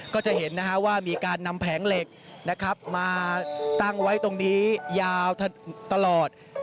ก็จะเห็นว่ามีการนำแผงเหล็กนะครับมาตั้งไว้ตรงนี้ยาวตลอด